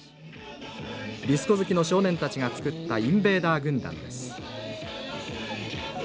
「ディスコ好きの少年たちが作ったインベーダー軍団です」。